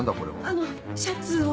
あのシャツを。